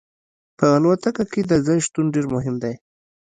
په الوتکه کې د ځای شتون ډیر مهم دی